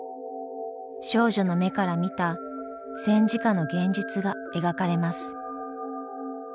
少女の目から見た戦時下の現実が描かれます。